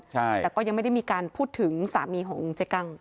ใช่แต่ก็ยังไม่ได้มีการพูดถึงสามีของเจ๊กั้ง